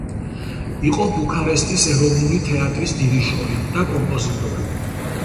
იყო ბუქარესტის ეროვნული თეატრის დირიჟორი და კომპოზიტორი.